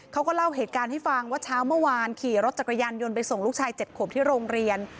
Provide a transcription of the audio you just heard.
เขาก็เล่าเหตุการณ์ให้ฟังว่าเช้าเมื่อวานขี่รถจักรยานยนต์ไปส่งลูกชาย๗ขวบที่โรงเรียน